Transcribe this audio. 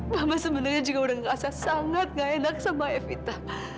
mama sebenarnya juga udah ngerasa sangat gak enak sama evita